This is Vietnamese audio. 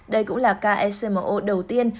đây cũng là ca smo đầu tiên